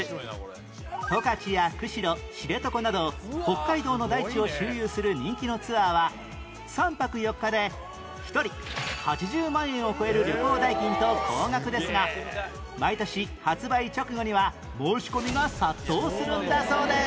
十勝や釧路知床など北海道の大地を周遊する人気のツアーは３泊４日で１人８０万円を超える旅行代金と高額ですが毎年発売直後には申し込みが殺到するんだそうです